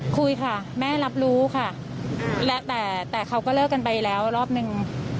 คุยค่ะแม่รับรู้ค่ะแล้วแต่แต่เขาก็เลิกกันไปแล้วรอบนึง